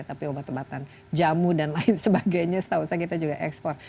tapi obat obatan jamu dan lain sebagainya setahu saya kita juga ekspor